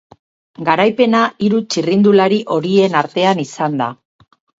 Garaipena hiru txirrindulari horien artean izan da.